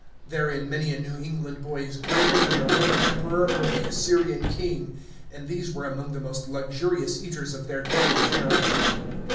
Therein many a New England boy is greater than the Roman emperor or the Assyrian king, and these were among the most luxurious eaters of their day and generation.